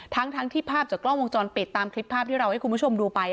ทั้งที่ภาพจากกล้องวงจรปิดตามคลิปภาพที่เราให้คุณผู้ชมดูไป